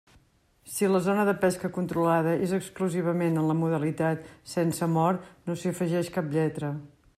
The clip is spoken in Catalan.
Si la zona de pesca controlada és exclusivament en la modalitat sense mort, no s'hi afegeix cap lletra.